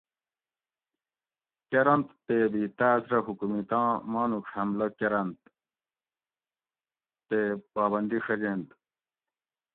کرنت تے بی تاۤس رہ حکومتاں مانوڄ حملہ کرنت تے پابندی ڛجینت